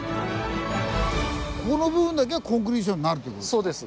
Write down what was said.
ここの部分だけがコンクリーションになるという事ですか？